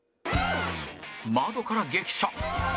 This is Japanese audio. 窓から激写